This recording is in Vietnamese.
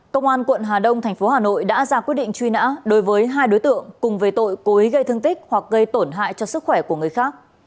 công an quận hà đông thành phố hà nội đã ra quyết định truy nã đối với hai đối tượng cùng về tội cố ý gây thương tích hoặc gây tổn hại cho sức khỏe của người khác